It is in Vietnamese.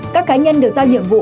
các cá nhân được giao nhiệm vụ